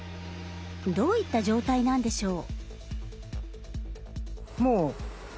どういった状態なんでしょう。